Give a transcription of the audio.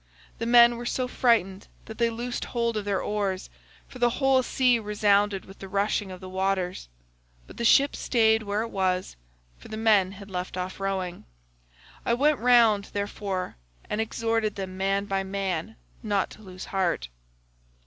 The men were so frightened that they loosed hold of their oars, for the whole sea resounded with the rushing of the waters,103 but the ship stayed where it was, for the men had left off rowing. I went round, therefore, and exhorted them man by man not to lose heart.